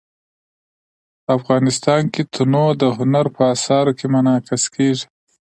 افغانستان کې تنوع د هنر په اثار کې منعکس کېږي.